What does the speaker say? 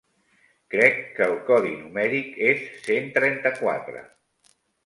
Crec que el codi numèric és cent trenta-quatre.